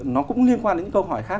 nó cũng liên quan đến những câu hỏi khác